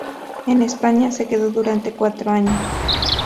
En España, se quedó durante cuatro años.